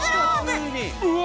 うわ！